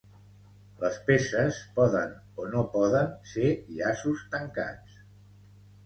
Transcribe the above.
Les peces poden o no poden ser llaços tancats.